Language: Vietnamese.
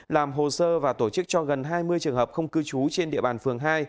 làm hồ sơ và tổ chức cho gần hai mươi trường hợp không cư trú trên địa bàn phường hai